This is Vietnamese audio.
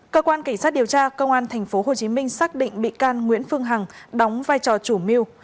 cơ quan cảnh sát điều tra công an tp hcm xác định bị can nguyễn phương hằng đóng vai trò chủ mưu